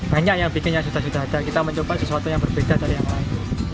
banyak yang bikinnya sudah sudah ada kita mencoba sesuatu yang berbeda dari yang lain